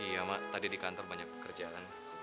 iya mak tadi di kantor banyak pekerjaan